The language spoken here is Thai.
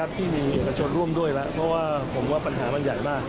ที่มีเอกชนร่วมด้วยแล้วเพราะว่าผมว่าปัญหามันใหญ่มาก